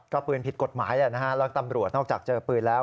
ก็ปืนผิดกฎหมายแหละนะฮะแล้วตำรวจนอกจากเจอปืนแล้ว